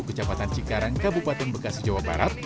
kecamatan cikarang kabupaten bekasi jawa barat